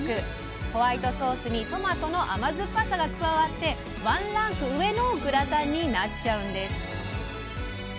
ホワイトソースにトマトの甘酸っぱさが加わってワンランク上のグラタンになっちゃうんです。